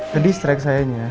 sedih strike sayangnya